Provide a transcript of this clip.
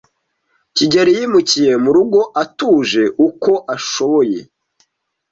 kigeli yimukiye mu rugo atuje uko ashoboye